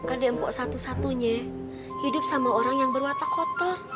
ada mpok satu satunya hidup sama orang yang berwatak kotor